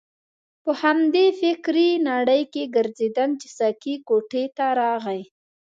په همدې فکرې نړۍ کې ګرځیدم چې ساقي کوټې ته راغی.